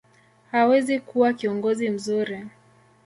hawezi kuwa kiongozi mzuri.